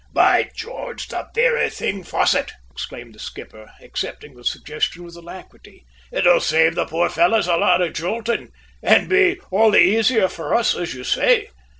"By George, the very thing, Fosset!" exclaimed the skipper, accepting the suggestion with alacrity. "It will save the poor fellows a lot of jolting, and be all the easier for us, as you say.